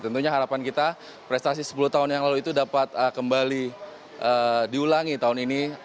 tentunya harapan kita prestasi sepuluh tahun yang lalu itu dapat kembali diulangi tahun ini